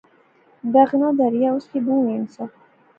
بغنا دریا ، اس کیا بہوں اہم سا